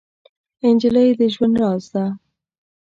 نجلۍ د ژوند راز ده.